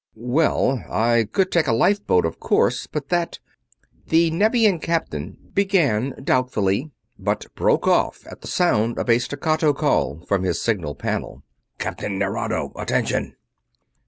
"Well, I could take a lifeboat, of course, but that ..." the Nevian Captain began, doubtfully, but broke off at the sound of a staccato call from his signal panel. "Captain Nerado, attention!"